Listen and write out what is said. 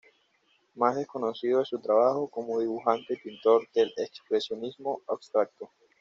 Más desconocido es su trabajo como dibujante y pintor del expresionismo abstracto.